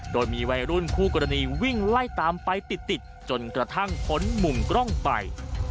โดยมีวัยรุ่นคู่กรณีวิ่งไล่ตามไปติดจนกระทั่งพ้นมุมกล้องไป